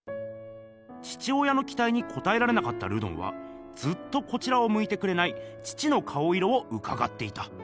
父親のきたいにこたえられなかったルドンはずっとこちらをむいてくれない父の顔色をうかがっていた。